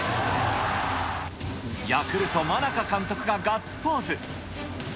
ヤクルト、真中監督がガッツポーズ。